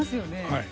はい。